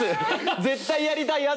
絶対やりたい圧。